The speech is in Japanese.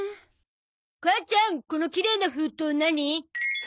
母ちゃんこのきれいな封筒何？